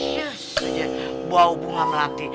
syus aja bau bunga melati